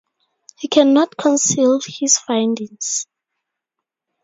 He cannot conceal his findings.